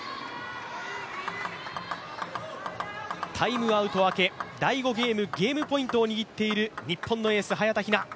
タイムアウト開け、第５ゲームゲームポイントを握っている早田ひな。